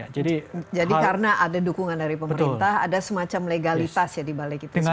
jadi karena ada dukungan dari pemerintah ada semacam legalitas ya dibalik itu